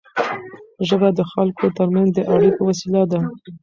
ژبه د خلکو ترمنځ د اړیکو وسیله ده.